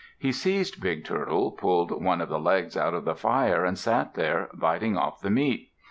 He seized Big Turtle, pulled one of the legs out of the fire, and sat there, biting off the meat.